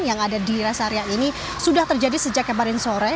yang ada di res area ini sudah terjadi sejak kemarin sore